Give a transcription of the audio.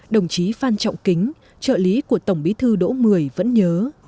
đồng chí phan trọng kính trợ lý của tổng bí thư đỗ mười vẫn nhớ